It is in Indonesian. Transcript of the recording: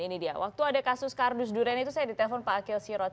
ini dia waktu ada kasus kardus durian itu saya ditelepon pak akhil sirot